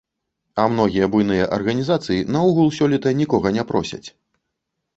А многія буйныя арганізацыі наогул сёлета нікога не просяць.